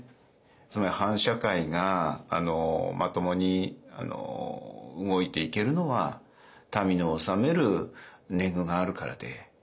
つまり藩社会がまともに動いていけるのは民の納める年貢があるからで。